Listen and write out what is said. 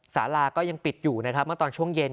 สาราก็ยังปิดอยู่นะครับเมื่อตอนช่วงเย็น